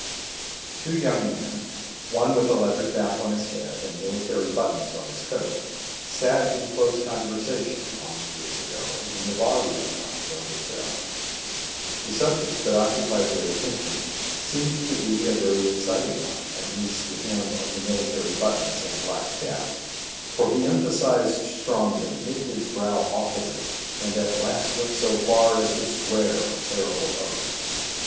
TWO young men, one with a leather cap on his head and military buttons on his coat, sat in close conversation, long years ago, in the bar room of the Hotel. The subject that occupied their attention seemed to be a very exciting one, at least to him of the military buttons and black cap, for he emphasized strongly, knit his brow awfully, and at last went so far as to swear a terrible oath.